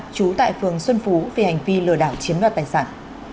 chú tại phường xuân phú về hành vi lừa đảo chiếm đoạt tài sản